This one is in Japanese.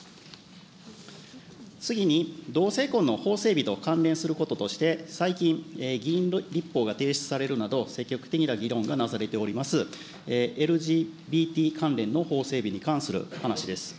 次に、同性婚の法整備と関連することとして、最近、議員立法が提出されるなど、積極的な議論がなされております、ＬＧＢＴ関連の法整備に関するお話です。